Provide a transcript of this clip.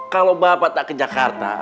kalau bapak tak ke jakarta